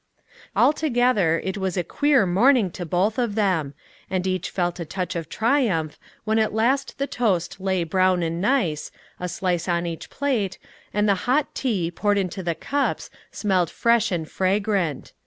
Altogether it was a queer morning to both of them; and each felt a touch of triumph when at last the toast lay brown and nice, a slice on each plate, and the hot tea, poured into the cups, smelled fresh and fragrant.